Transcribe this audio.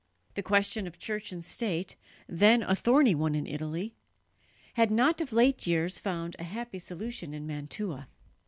The question of church and state, then a thorny one in Italy, had not of late years found a happy solution in Mantua.